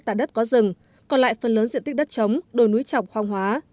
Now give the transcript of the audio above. tả đất có rừng còn lại phần lớn diện tích đất trống đồi núi trọng khoang hóa